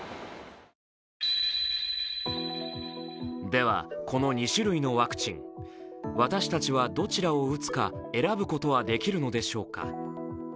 ではこの２種類のワクチン私たちはどちらを打つか選ぶことはできるのでしょうか。